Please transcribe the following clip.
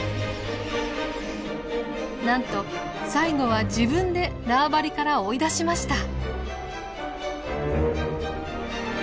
なんと最後は自分で縄張りから追い出しました。